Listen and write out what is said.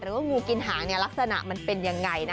ว่างูกินหางลักษณะมันเป็นยังไง